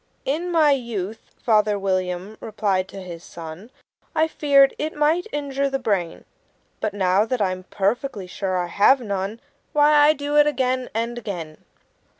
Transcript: "In my youth," Father William replied to his son, "I feared it might injure the brain; But now that I'm perfectly sure I have none, Why, I do it again and again."